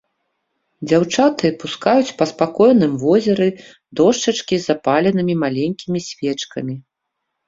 Дзяўчаты пускаюць па спакойным возеры дошчачкі з запаленымі маленькімі свечкамі.